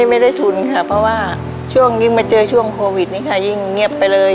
เพราะว่ายิ่งมาเจอช่วงโควิดนี้อย่างเงียบไปเลย